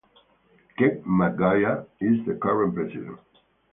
Kent McGuire is the current president.